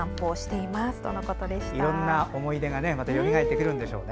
いろんな思い出がよみがえってくるんでしょうね。